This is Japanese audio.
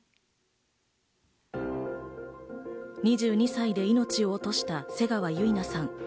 ２２歳で命を落とした瀬川結菜さん。